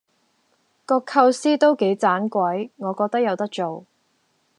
個構思都幾盞鬼，我覺得有得做